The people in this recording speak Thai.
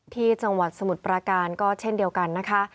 ที่จังหวัดสมุทรปราการก็เช่นเดียวกันนะคะ